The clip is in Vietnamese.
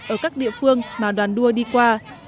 ở các địa phương mà đoàn đua đi qua